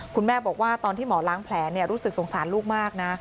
คุณแม่บอกว่าตอนที่หมอล้างแผลรู้สึกสงสารลูกมากนะ